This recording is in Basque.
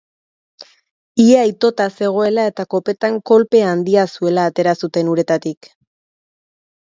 Ia itota zegoela eta kopetan kolpe handia zuela atera zuten uretatik.